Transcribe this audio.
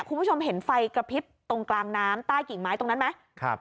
คุณผู้ชมเห็นไฟกระพริบตรงกลางน้ำใต้กิ่งไม้ตรงนั้นไหมครับ